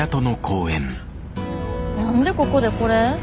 何でここでこれ？